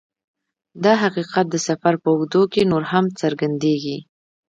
دا حقیقت د سفر په اوږدو کې نور هم څرګندیږي